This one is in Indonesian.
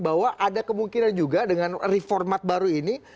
bahwa ada kemungkinan juga dengan reformat baru ini